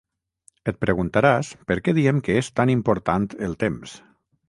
Et preguntaràs per què diem que és tan important el temps.